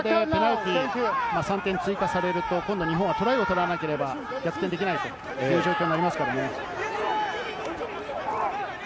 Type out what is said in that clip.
３点追加されると、日本はトライを取らなければ逆転できないという状況になりますからね。